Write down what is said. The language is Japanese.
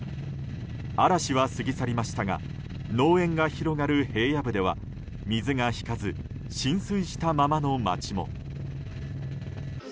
嵐は過ぎ去りましたが農園が広がる平野部では水が引かず浸水したままの街も。